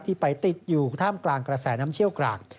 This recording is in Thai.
ไปติดอยู่ท่ามกลางกระแสน้ำเชี่ยวกราก